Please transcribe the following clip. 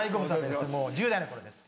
もう１０代の頃です。